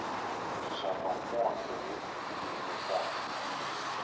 Ne se sentant point aimé, il n’aimait point.